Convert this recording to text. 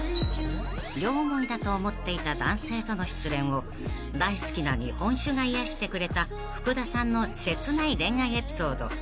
［両思いだと思っていた男性との失恋を大好きな日本酒が癒やしてくれた福田さんの切ない恋愛エピソード］